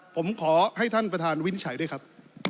ผมขอให้ท่านประธานวินิจฉัยด้วยครับ